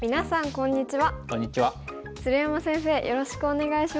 こんにちは。